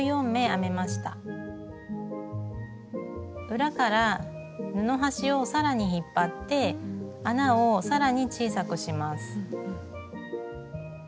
裏から布端を更に引っ張って穴を更に小さくします。